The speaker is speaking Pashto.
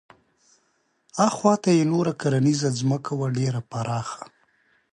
اخواته یې نوره کرنیزه ځمکه وه ډېره پراخه.